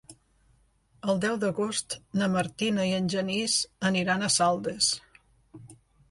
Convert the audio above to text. El deu d'agost na Martina i en Genís aniran a Saldes.